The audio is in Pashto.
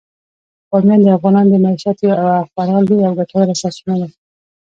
بامیان د افغانانو د معیشت یوه خورا لویه او ګټوره سرچینه ده.